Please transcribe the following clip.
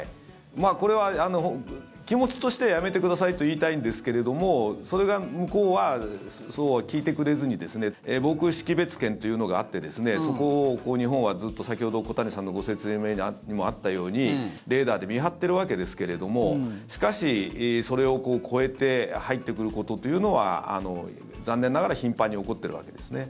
これは気持ちとしてやめてくださいと言いたいんですけれどもそれが向こうはそうは聞いてくれずに防空識別圏というのがあってそこを日本はずっと先ほど小谷さんのご説明にもあったようにレーダーで見張っているわけですけれどもしかし、それを越えて入ってくることというのは残念ながら頻繁に起こっているわけですね。